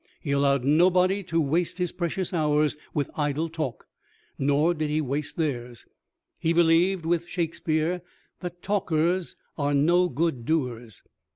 He allowed nobody to waste his precious hours with idle talk, nor did he waste theirs. He believed, with Shakespeare, that "Talkers are no good doers."